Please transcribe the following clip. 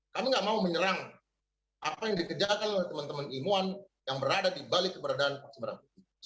kami enggak mau menyerang apa yang dikejarkan oleh teman teman imuan yang berada di balik keberadaan vaksin merah putih